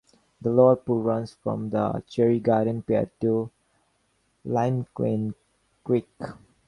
The Lower Pool runs from the Cherry Garden Pier to Limekiln Creek.